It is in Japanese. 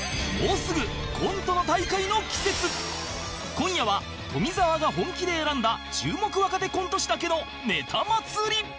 今夜は富澤が本気で選んだ注目若手コント師だけのネタ祭り！